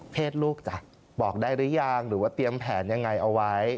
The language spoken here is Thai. ลูกจ้ะบอกได้หรือยังหรือว่าเตรียมแผนยังไงเอาไว้